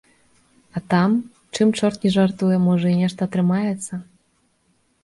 А там, чым чорт не жартуе, можа, і нешта атрымаецца?